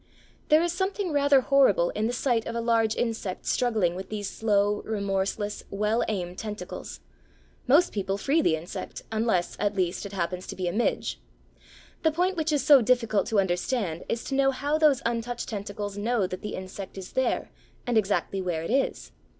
There is something rather horrible in the sight of a large insect struggling with these slow, remorseless, well aimed tentacles; most people free the insect unless, at least, it happens to be a midge. The point which is so difficult to understand is to know how those untouched tentacles know that the insect is there and exactly where it is.